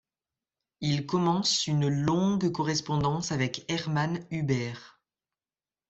Il commence une longue correspondance avec Hermann Huber.